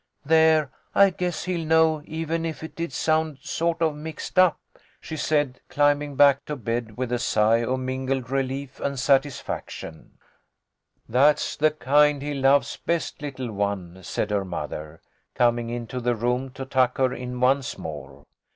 There, I guess he'll know, even if it did sound sort of mixed up," she said, climbing back to bed with a sigh of mingled relief and satisfaction. THE HOME OF A HERO. "That's the kind he loves best, little one," said her mother, coming into the room to tuck her in once more.